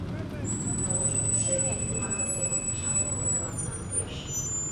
Но ончык ӱжшӧ эн йомартле семым Ышна пу орлыклан тунам тояш.